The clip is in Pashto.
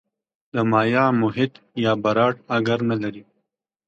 د مایع محیط یا براټ اګر نه لري.